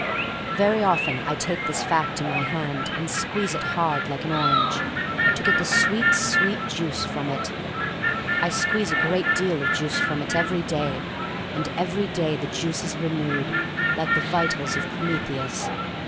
Very often I take this fact in my hand and squeeze it hard like an orange, to get the sweet, sweet juice from it. I squeeze a great deal of r 64 THE STORY OF MARY MAC LANE juice from it every day, and every day the juice is renewed, like the vitals of Prometheus.